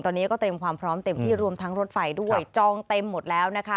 ตอนนี้ก็เตรียมความพร้อมเต็มที่รวมทั้งรถไฟด้วยจองเต็มหมดแล้วนะคะ